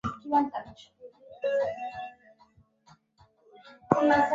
ambao hufika kwa ajili ya kufanya matambiko ya jadi